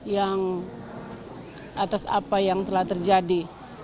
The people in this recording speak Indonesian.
yang atas apa yang telah terjadi